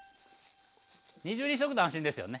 二重にしとくと安心ですよね。